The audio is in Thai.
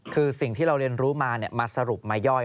คือสิ่งที่เราเรียนรู้มามาสรุปมาย่อย